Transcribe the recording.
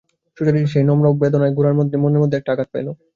সুচরিতার সেই নম্র নীরব বেদনায় গোরার মনে মধ্যে একটা আঘাত পাইল।